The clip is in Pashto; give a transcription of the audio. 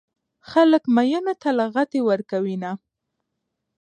خلک ميينو ته لغتې ورکوينه